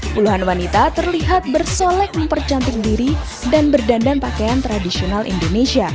puluhan wanita terlihat bersolek mempercantik diri dan berdandan pakaian tradisional indonesia